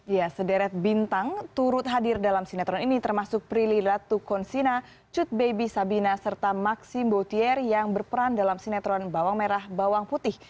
ya sederet bintang turut hadir dalam sinetron ini termasuk prilly latukonsina cut baby sabina serta maximbotier yang berperan dalam sinetron bawang merah bawang putih